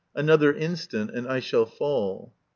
Another instant, and I shall fall.